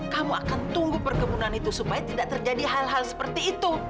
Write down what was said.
kamu akan tunggu perkebunan itu supaya tidak terjadi hal hal seperti itu